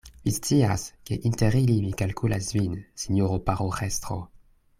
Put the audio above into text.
Vi scias, ke inter ili mi kalkulas vin, sinjoro paroĥestro.